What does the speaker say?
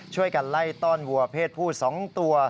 ช่วยกันไล่ต้อนวัวเพศผู้๒ตัว